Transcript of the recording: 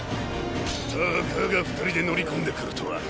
たかが二人で乗り込んでくるとは。